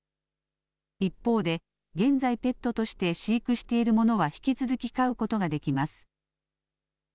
一方で現在ペットとして飼育しているものは引き続き飼うことができます。